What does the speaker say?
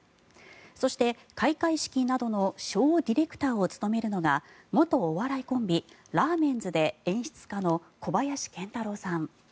そして、開会式などのショーディレクターを務めるのが元お笑いコンビ、ラーメンズで演出家の小林賢太郎さん。